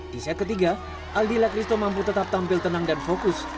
di set ketiga aldila kristo mampu tetap tampil tenang dan fokus